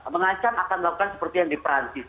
mengancam akan melakukan seperti yang di perancis